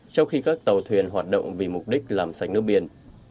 trong khi các tàu thuyền hoạt động vì mục đích làm sạch nước biển